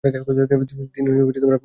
তিনি আবার পরাজিত হন।